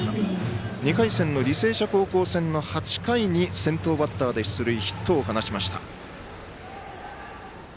２回戦の履正社高校戦の８回に先頭バッターで出塁ヒットを放ちました。